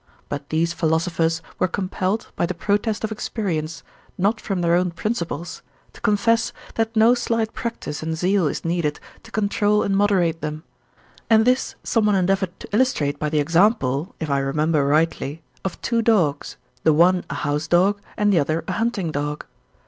But these philosophers were compelled, by the protest of experience, not from their own principles, to confess, that no slight practice and zeal is needed to control and moderate them: and this someone endeavoured to illustrate by the example (if I remember rightly) of two dogs, the one a house dog and the other a hunting dog.